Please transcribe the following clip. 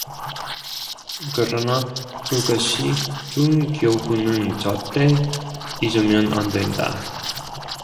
그러나 그것이 준 교훈은 절대 잊으면 안 된다.